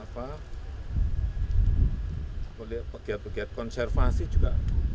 pegiat pegiat konservasi juga